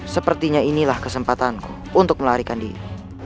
sepertinya inilah kesempatanku untuk melarikan diri